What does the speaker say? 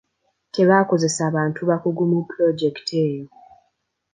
Tebaakozesa bantu bakugu mu pulojekiti eyo.